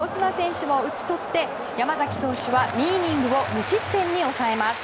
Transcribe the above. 続くオスナ選手も打ち取って山崎投手は２イニングを無失点で抑えます。